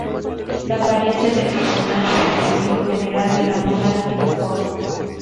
La apariencia del personaje es en el estilo general de la moda hip hop.